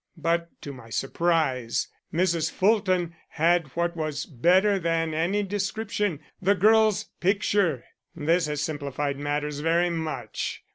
But to my surprise, Mrs. Fulton had what was better than any description, the girl's picture. This has simplified matters very much.